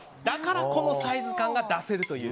だからこのサイズ感が出せると。